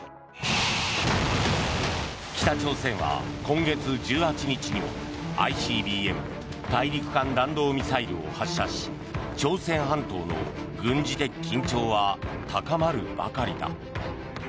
北朝鮮は今月１８日にもＩＣＢＭ・大陸間弾道ミサイルを発射し朝鮮半島の軍事的緊張は高まるばかりだ。